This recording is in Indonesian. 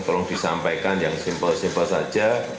tolong disampaikan yang simpel simpel saja